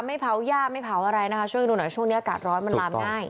ไม่เผาย่าไม่เผาอะไรนะคะช่วยดูหน่อยช่วงนี้อากาศร้อนมันลามง่าย